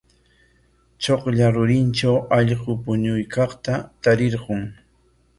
Chuklla rurintraw allqu puñuykaqta tarirqun.